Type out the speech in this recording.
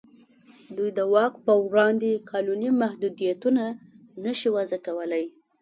دوی د واک په وړاندې قانوني محدودیتونه نه شي وضع کولای.